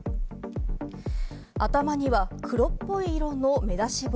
頭には黒っぽい色の目出し帽。